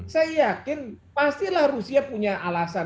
saya yakin pasti lah rusia punya alasan